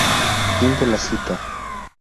Fin de la cita.